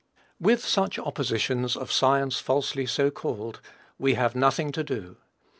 With such "oppositions of science falsely so called," we have nothing to do.